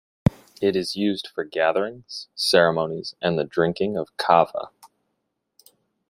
It is used for gatherings, ceremonies and the drinking of kava.